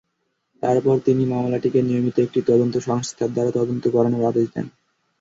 তারপর তিনি মামলাটিকে নিয়মিত একটি তদন্ত সংস্থার দ্বারা তদন্ত করানোর আদেশ দেন।